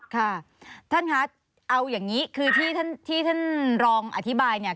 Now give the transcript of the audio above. ค่ะท่านคะเอาอย่างนี้คือที่ท่านรองอธิบายเนี่ย